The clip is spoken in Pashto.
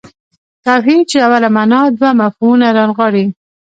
توحید ژوره معنا دوه مفهومونه رانغاړي.